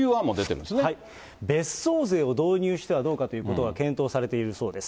別荘税を導入してはどうかということが検討されているそうです。